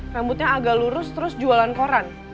rambutnya agak lurus terus jualan koran